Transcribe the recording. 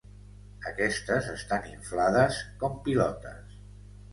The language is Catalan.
Aquestes estan inflades com pilotes.